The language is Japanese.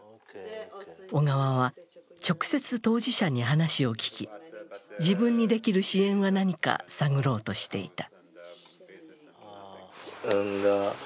小川は、直接当事者に話を聞き、自分にできる支援は何か探ろうとしていた。